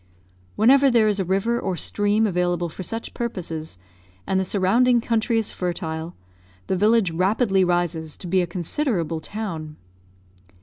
Whenever there is a river or stream available for such purposes, and the surrounding country is fertile, the village rapidly rises to be a considerable town.